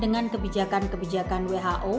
dengan kebijakan kebijakan who